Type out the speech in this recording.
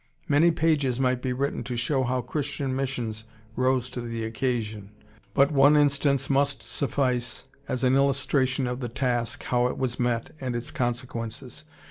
Many pages might be written to show how Christian missions rose to the occasion, but one instance must suffice as an illustration of the task, how it was met, and its consequences.